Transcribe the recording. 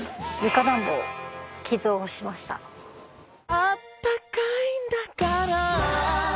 「あったかいんだからぁ」